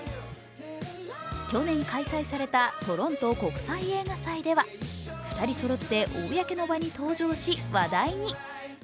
去年開催されたトロント国際映画祭では２人そろって、公の場に登場し話題に。